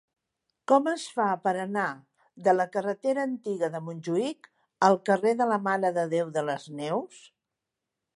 Com es fa per anar de la carretera Antiga de Montjuïc al carrer de la Mare de Déu de les Neus?